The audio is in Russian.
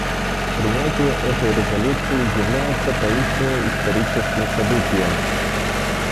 Принятие этой резолюции является поистине историческим событием.